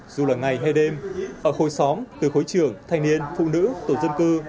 dù là ngày hay đêm ở khối xóm từ khối trưởng thanh niên phụ nữ tổ dân cư